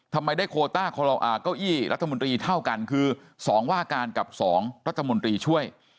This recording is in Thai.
ทำไมได้โคต้าเก้าอี้รัฐมนตรีเท่ากันคือ๒ว่าการกับ๒รัฐมนตรีช่วย